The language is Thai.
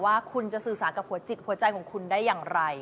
ว่าคุณจะสื่อสารกับหัวจิตหัวใจของคุณได้อย่างไร